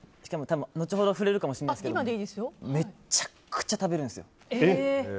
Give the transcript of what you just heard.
後ほど触れるかもしれないんですけどめちゃくちゃ食べるんですよ。